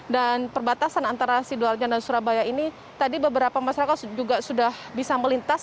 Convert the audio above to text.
dan perbatasan antara sidualnya dan surabaya ini tadi beberapa masyarakat juga sudah bisa melintas